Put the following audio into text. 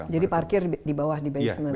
jadi parkir di bawah di basement ya